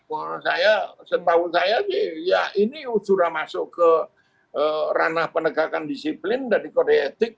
menurut saya ini sudah masuk ke ranah penegakan disiplin dari kode etik